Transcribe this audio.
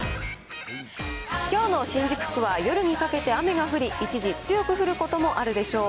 きょうの新宿区は、夜にかけて雨が降り、一時強く降ることもあるでしょう。